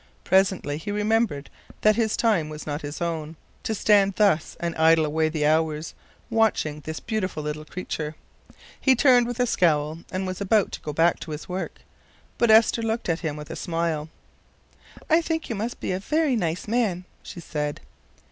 Presently he remembered that his time was not his own, to stand thus and idle away the hours watching this beautiful little creature. He turned with a scowl and was about to go back to his work, but Esther looked at him with a smile. "I think you must be a very nice man," she said.